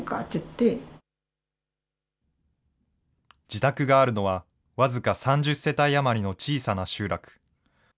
自宅があるのは、僅か３０世帯余りの小さな集落。